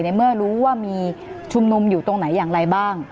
เมื่อรู้ว่ามีชุมนุมอยู่ตรงไหนอย่างไรบ้าง